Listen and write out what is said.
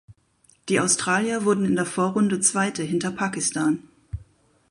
Die Australier wurden in der Vorrunde Zweite hinter Pakistan.